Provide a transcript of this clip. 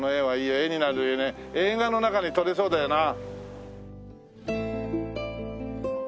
映画の中で撮りそうだよな。